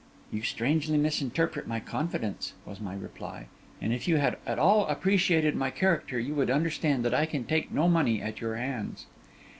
'You strangely misinterpret my confidence,' was my reply; 'and if you had at all appreciated my character, you would understand that I can take no money at your hands.